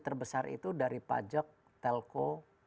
terbesar itu dari pajak telko